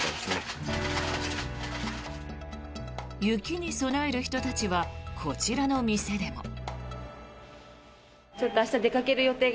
雪に備える人たちはこちらの店でも。